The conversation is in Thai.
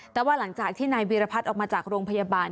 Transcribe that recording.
แต่ว่าหลังจากที่นายวีรพัฒน์ออกมาจากโรงพยาบาล